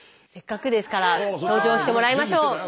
せっかくですから登場してもらいましょう。